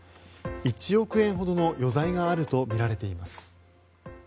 １億円ほどの余罪があるとみられています。